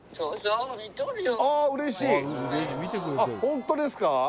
ホントですか？